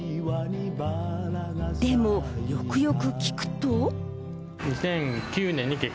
でも、よくよく聞くと。